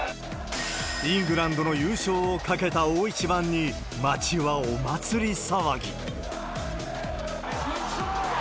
イングランドの優勝を懸けた大一番に、街はお祭り騒ぎ。